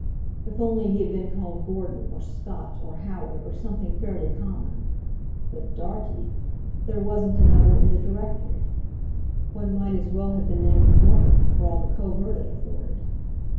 If only he had been called Gordon or Scott or Howard or something fairly common! But Dartie—there wasn't another in the directory! One might as well have been named Morkin for all the covert it afforded!